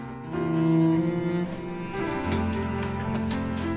うん。